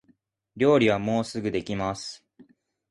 料理はもうすぐできます